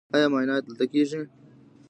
ایا معاینات دلته کیږي؟